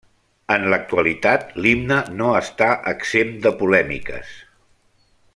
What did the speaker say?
En l'actualitat l'himne no està exempt de polèmiques.